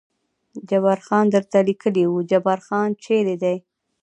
جبار خان درته لیکلي و، جبار خان چېرې دی؟